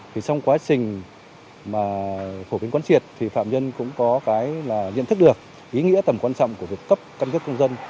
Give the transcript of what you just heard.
thì trong quá trình mà phổ biến quán triệt thì phạm nhân cũng có cái nhận thức được ý nghĩa tầm quan trọng của việc cấp căn cước công dân